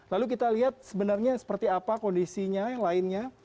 lalu kita lihat sebenarnya seperti apa kondisinya yang lainnya